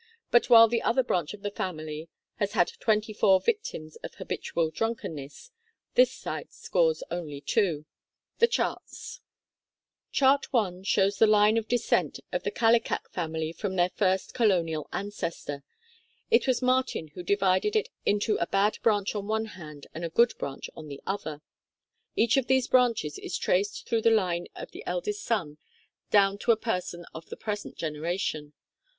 But while the other branch of the family has had twenty four vic tims of habitual drunkenness, this side scores only two. The charts of these two families follow. THE CHARTS THE CHARTS CHART I shows the line of descent of the Kallikak family from their first colonial ancestor. It was Mar tin who divided it into a bad branch on one hand and a good branch o'n the other. Each of these branches is traced through the line of the eldest son down to a person of the present generation.